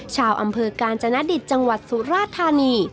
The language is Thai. ชาวอำเภอกาญจนดิตจังหวัดสุราธานี